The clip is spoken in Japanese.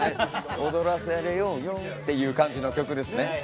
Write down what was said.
踊らされようよっていう感じの曲ですね。